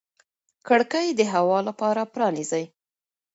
کړکۍ د هوا لپاره پرانیزئ.